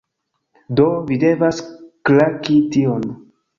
Do, vi devas klaki tion